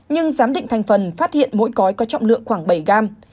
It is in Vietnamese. nhưng giám định thành phần phát hiện mỗi cói có trọng lượng khoảng bảy gram